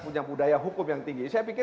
punya budaya hukum yang tinggi